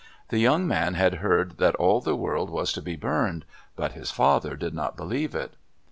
The young man had heard that all the world was to be burned, but his father did not believe it.